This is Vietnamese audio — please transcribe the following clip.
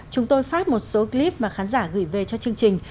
chúng tôi phát một số clip mà khán giả gửi về cho chương trình